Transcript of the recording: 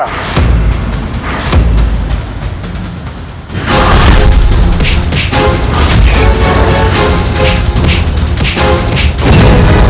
aku akan menang